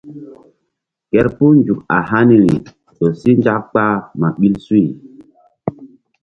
Kerpuh nzuk a haniri ƴo si nzak kpah ma ɓil suy.